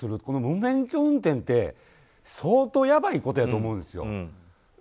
この無免許運転って相当やばいことやと思うんですよ。